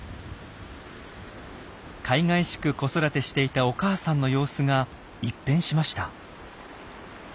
かいがいしく子育てしていたお母さんの様子が一変しました。